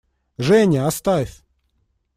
Женя, оставь!